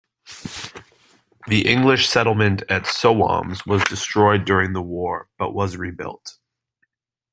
The English settlement at Sowams was destroyed during the war but was rebuilt.